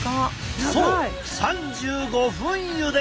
そう３５分ゆで！